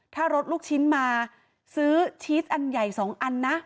ถ้ารถลูกชิ้นมาซื้อชีสอันใหญ่๒อันนะ